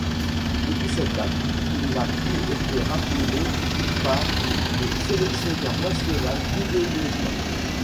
Depuis cette date, il n'a plus été rappelé par le sélectionneur national Didier Deschamps.